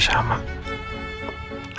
sama kamu masih sama